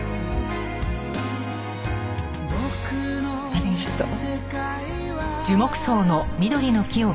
ありがとう。